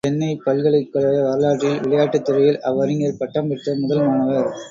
சென்னை பல்கலைக்கழக வரலாற்றில் விளையாட்டுத்துறையில் ஆய்வறிஞர் பட்டம் பெற்ற முதல் மாணவர்.